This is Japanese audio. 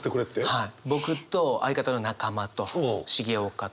はい。